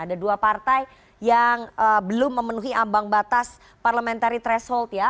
ada dua partai yang belum memenuhi ambang batas parliamentary threshold ya